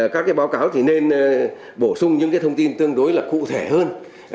các báo cáo nên bổ sung những thông tin tương đối là cụ thể hơn